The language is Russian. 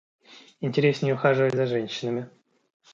Интереснее ухаживать за женщинами.